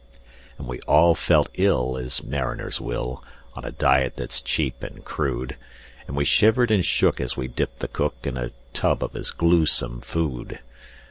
And we all felt ill as mariners will, On a diet that's cheap and rude; And we shivered and shook as we dipped the cook In a tub of his gluesome food.